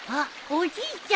おじいちゃん